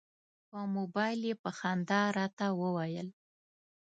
په مبایل یې په خندا راته وویل.